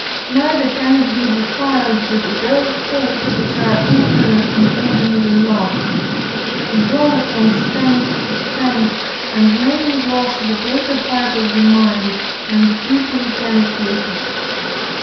neither can it be defiled with those faults which are inherent in ordinary love; but it may grow from strength to strength, and may engross the greater part of the mind, and deeply penetrate it.